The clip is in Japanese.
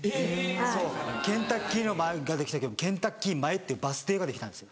そうケンタッキーができた時「ケンタッキー前」っていうバス停ができたんです。